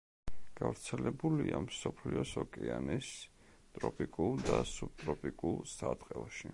გავრცელებულია მსოფლიოს ოკეანის ტროპიკულ და სუბტროპიკულ სარტყელში.